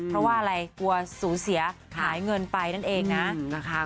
เพราะว่าอะไรกลัวสูญเสียหายเงินไปนั่นเองนะนะคะ